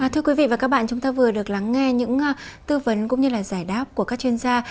thưa quý vị và các bạn chúng ta vừa được lắng nghe những tư vấn cũng như là giải đáp của các chuyên gia